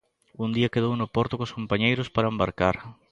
Un día quedou no porto cos compañeiros para embarcar.